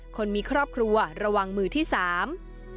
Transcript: คนมีครอบครัวระวังมือที่สาม